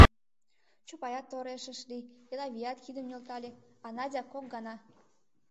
— Чопаят тореш ыш лий, Элавият кидым нӧлтале, а Надя — кок гана...